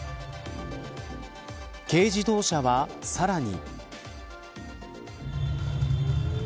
軽自動車は、さらに。